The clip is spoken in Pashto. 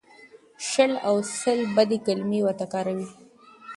شل او سل بدې کلمې ورته کاروي.